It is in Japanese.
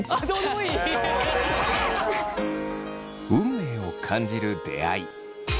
運命を感じる出会い。